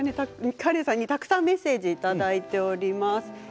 カレンさんにたくさんメッセージをいただいております。